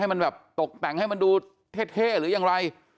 มันแบบตกแต่งให้มันดูเท่หรือยังไร